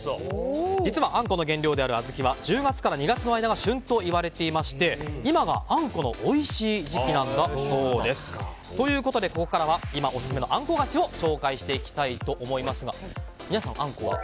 実はあんこの原料である小豆は１０月から２月の間が旬といわれていまして今が、あんこのおいしい時期なんだそうです。ということでここからは今オススメのあんこ菓子を紹介していきたいと思いますが皆さん、あんこは？